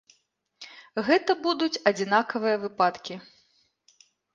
Гэта будуць адзінкавыя выпадкі.